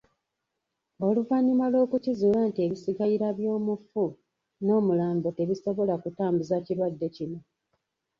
Oluvannyuma lw'okukizuula nti ebisigalira by'omufu n'omulambo tebisobola kutambuza kirwadde kino.